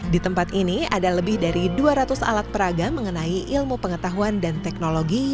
di tempat ini ada lebih dari dua ratus alat peraga mengenai ilmu pengetahuan dan teknologi